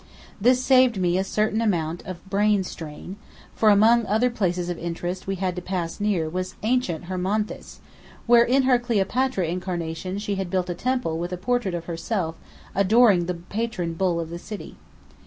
This saved me a certain amount of brain strain, for among other places of interest we had to pass near was ancient Hermonthis, where in her Cleopatra incarnation she had built a temple with a portrait of herself adoring the patron Bull of the city.